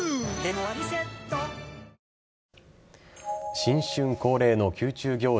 新春恒例の宮中行事